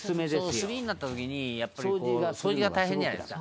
「炭になった時にやっぱり掃除が大変じゃないですか」